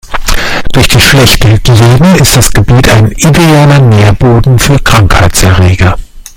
Durch die schlechte Hygiene ist das Gebiet ein idealer Nährboden für Krankheitserreger.